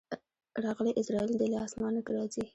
راغلی عزراییل دی له اسمانه که راځې